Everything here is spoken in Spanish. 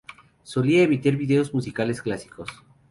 Solía emitir videos musicales clásicos.